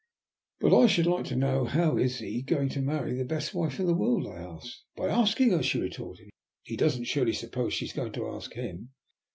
"But I should like to know, how is he going to marry the best wife in the world?" I asked. "By asking her," she retorted. "He doesn't surely suppose she is going to ask him?"